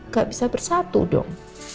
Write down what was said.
gak bisa bersatu dong